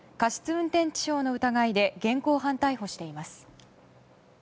運転致傷の疑いで現行犯逮捕しています。